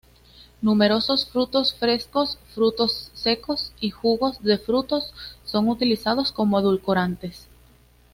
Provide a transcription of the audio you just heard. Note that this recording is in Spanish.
Numerosos frutos frescos, frutos secos y jugos de frutos son utilizados como edulcorantes.